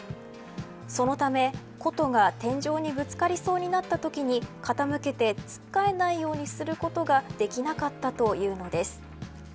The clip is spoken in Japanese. そのため琴が天井にぶつかりそうになったときに傾けてつっかえないようにすることができなかったというのです。